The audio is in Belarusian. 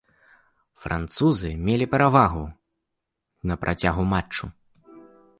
Французы мелі перавагу на працягу матчу.